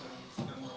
caranya seperti apa pak